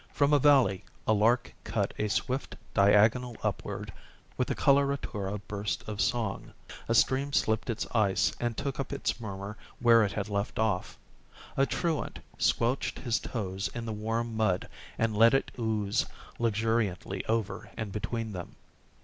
From a valley a lark cut a swift diagonal upward with a coloratura burst of song. A stream slipped its ice and took up its murmur where it had left off. A truant squelched his toes in the warm mud and let it ooze luxuriantly over and between them.